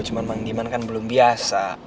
cuma mang demand kan belum biasa